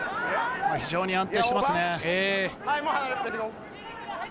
非常に安定していますね。